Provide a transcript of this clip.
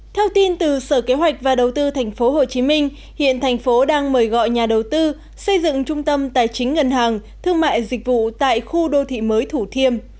theo tin từ sở kế hoạch và đầu tư tp hcm hiện thành phố đang mời gọi nhà đầu tư xây dựng trung tâm tài chính ngân hàng thương mại dịch vụ tại khu đô thị mới thủ thiêm